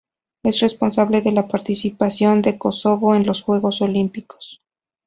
Es responsable de la participación de Kosovo en los Juegos Olímpicos.